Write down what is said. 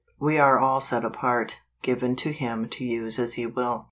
We are all set apart, given to Him to use as He will.